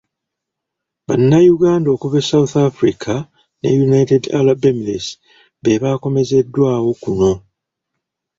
Bannayuganda okuva e South Africa ne United Arab Emirates bebaakomezeddwawo kuno.